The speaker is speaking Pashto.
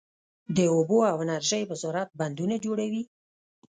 د اوبو او انرژۍ وزارت بندونه جوړوي؟